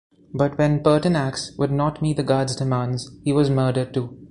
But when Pertinax would not meet the guard's demands, he was murdered, too.